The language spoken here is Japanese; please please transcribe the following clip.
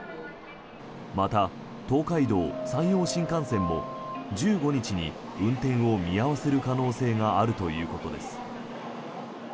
また、東海道・山陽新幹線も１５日に運転を見合わせる可能性があるということです。